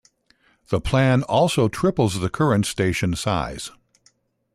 The plan also triples the current station size.